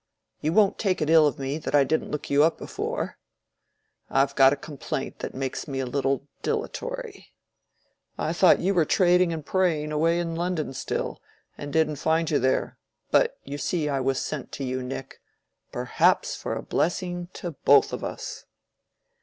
You won't take it ill of me that I didn't look you up before. I've got a complaint that makes me a little dilatory. I thought you were trading and praying away in London still, and didn't find you there. But you see I was sent to you, Nick—perhaps for a blessing to both of us."